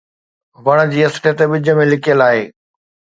وڻ جي اصليت ٻج ۾ لڪيل آهي.